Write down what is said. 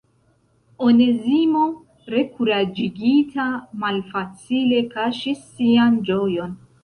Onezimo rekuraĝigita malfacile kaŝis sian ĝojon.